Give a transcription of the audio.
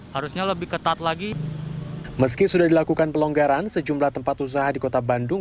harusnya lebih ketat lagi meski sudah dilakukan pelonggaran sejumlah tempat usaha di kota bandung